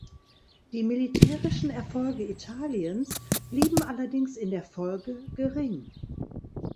Die militärischen Erfolge Italiens blieben allerdings in der Folge gering.